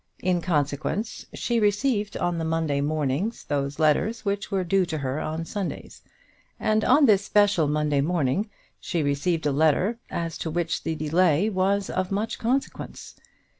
In consequence, she received on the Monday mornings those letters which were due to her on Sundays, and on this special Monday morning she received a letter, as to which the delay was of much consequence.